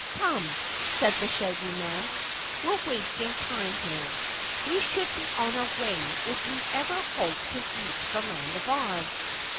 "Come," said the Shaggy Man, "we're wasting time here. We should be on our way if we ever hope to reach the Land of Oz."